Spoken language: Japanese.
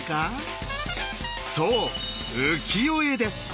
そう「浮世絵」です。